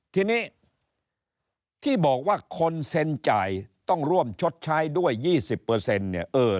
ทีนี้ที่บอกว่าคนเซ็นจ่ายต้องร่วมชดใช้ด้วย๒๐เนี่ย